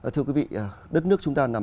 thưa quý vị đất nước chúng ta nằm